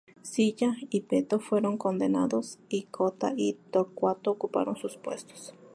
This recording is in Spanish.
Sila y Peto fueron condenados y Cotta y Torcuato ocuparon sus puestos.